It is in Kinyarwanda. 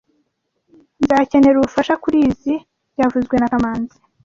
Nzakenera ubufasha kurizoi byavuzwe na kamanzi